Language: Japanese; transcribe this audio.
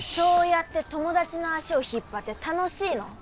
やって友達の足を引っ張って楽しいの？